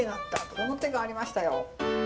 この手がありましたよ。